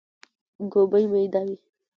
ګوبی ميده وي.